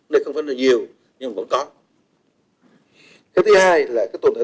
nên không phải là nhiều nhưng vẫn có